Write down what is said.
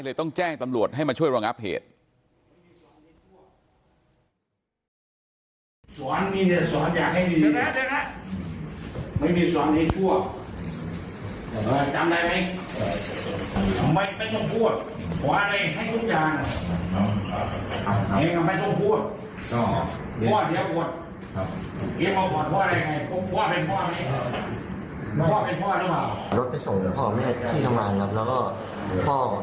ต้องแจ้งตำรวจให้มาช่วยรองับเหตุ